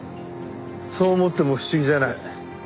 そう思っても不思議じゃない。